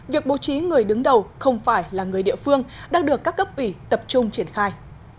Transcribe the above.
việc bố trí người đứng đầu không phải là người địa phương đang được các cấp ủy tập trung triển khai